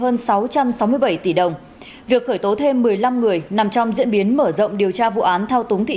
hơn sáu trăm sáu mươi bảy tỷ đồng việc khởi tố thêm một mươi năm người nằm trong diễn biến mở rộng điều tra vụ án thao túng thị